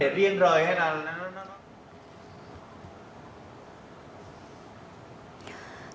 để riêng rời hay là